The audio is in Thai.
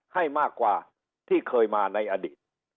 ให้มากกว่าที่เคยมาในอดีต